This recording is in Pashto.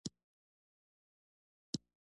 په لندن کې یې د حقوقو په څانګه کې زده کړې کړې وې.